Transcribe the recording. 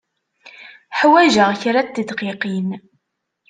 Ḥwajeɣ kra n tedqiqin.